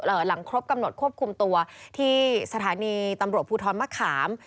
หลังครบกำหนดควบคุมตัวที่สถานีตำรวจภูทรมะขาม